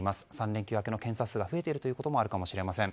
３連休明けの検査数が増えていることもあるかもしれません。